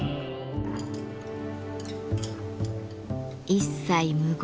一切無言。